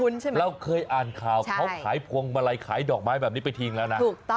แล้วเคยอ่านข่าวเขาขายพวงมาลัยขายดอกไม้แบบนี้ไปทีแล้วนะ